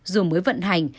dù mới vận hành